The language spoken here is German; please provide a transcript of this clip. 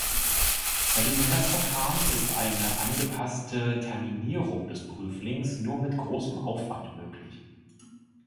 Bei diesem Messverfahren ist eine angepasste Terminierung des Prüflings nur mit großem Aufwand möglich.